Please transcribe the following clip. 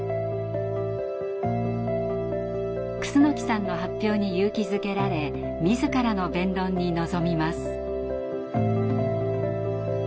楠さんの発表に勇気づけられ自らの弁論に臨みます。